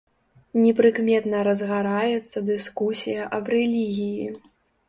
Непрыкметна разгараецца дыскусія аб рэлігіі.